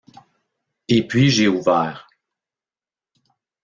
Et puis j’ai ouvert.